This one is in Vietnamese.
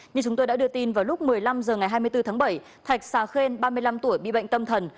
như chúng tôi đã đưa tin vào lúc một mươi năm h ngày hai mươi bốn tháng bảy thạch xà khuên ba mươi năm tuổi bị bệnh tâm thần